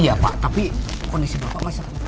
iya pak tapi kondisi bapak masih